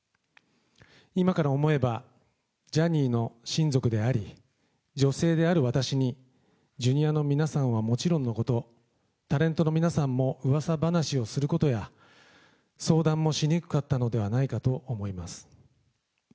今から思えばジャニーの親族であり、女性である私に、ジュニアの皆さんはもちろんのこと、タレントの皆さんもうわさ話をすることや、相談もしにくかったのではないかと思います。